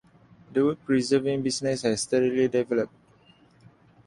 The wood preserving business has steadily developed.